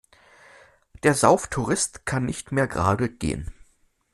Der Sauftourist kann nicht mehr gerade gehen.